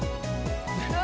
うわ。